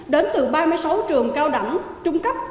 đến từ ba mươi sáu trường cao đẳng trung cấp